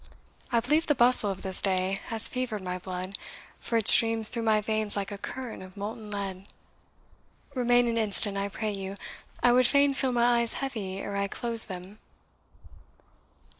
I believe the bustle of this day has fevered my blood, for it streams through my veins like a current of molten lead. Remain an instant, I pray you I would fain feel my eyes heavy ere I closed them."